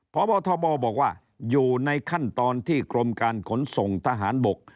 พบทบบอกว่าอยู่ในขั้นตอนที่กรมการขนส่งทหารบก